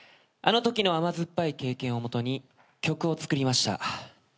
あのときの甘酸っぱい経験をもとに曲を作りました。